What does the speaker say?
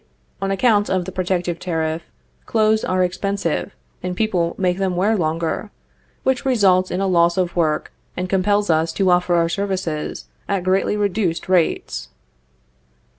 On account of the protective tariff, clothes | advantageous to are expensive, and people make them wear longer, | our trade. which results in a loss of work, and compels us to | offer our services at greatly reduced rates.